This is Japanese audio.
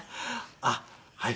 あっはい。